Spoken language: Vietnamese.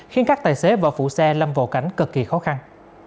khiến các tài xế và phụ xe lâm vào cảnh cực kỳ khó khăn